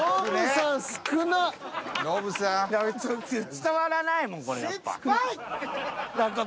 伝わらないもんこれやっぱ。